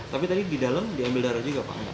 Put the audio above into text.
tapi tadi di dalam diambil darah juga pak